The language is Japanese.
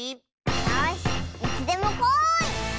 よしいつでもこい！